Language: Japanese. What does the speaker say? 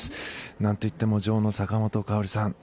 なんといっても女王の坂本花織さん。